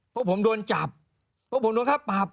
พวกผมโดนจับพวกผมโดนค่าปรับ